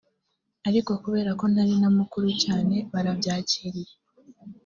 ariko kubera ko ntari na mukuru cyane barabyakiriye